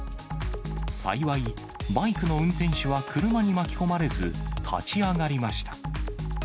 幸い、バイクの運転手は車に巻き込まれず、立ち上がりました。